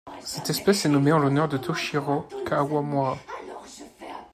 Cette espèce est nommée en l'honneur de Toshijiro Kawamura.